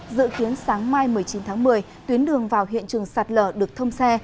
dự kiến sáng mai một mươi chín tháng một mươi tuyến đường vào hiện trường sạt lở được thông xe